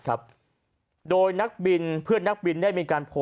โดยเพื่อนนักบินนักบินได้มีแปลง